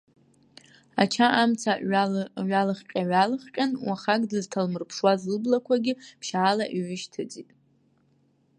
Ача амца ҩалыхҟьа-ҩалыхҟьан, уахак дызҭалмырԥшуаз лыблақәагьы ԥшьаала иҩышьҭыҵит.